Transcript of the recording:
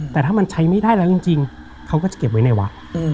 แต่ถ้ามันใช้ไม่ได้แล้วจริงเขาก็จะเก็บไว้ในวัด